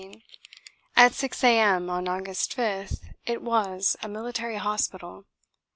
At 6 a.m. on August 5th it was a military hospital.